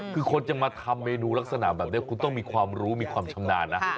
คือคนจะมาทำเมนูลักษณะแบบนี้คุณต้องมีความรู้มีความชำนาญนะ